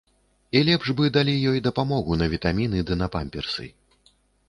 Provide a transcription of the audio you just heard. І лепш бы далі ёй дапамогу на вітаміны ды на памперсы.